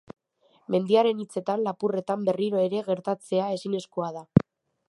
Mendiaren hitzetan, lapurretan berriro ere gertatzea ezinezkoa da.